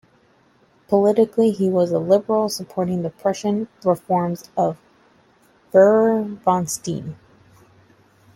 Politically he was a liberal, supporting the Prussian reforms of Freiherr vom Stein.